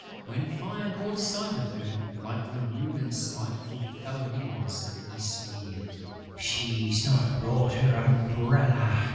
When Fire caught sight of her, like the rude and spiteful fellow that he was, he sneered: "She's not brought her umbrella!"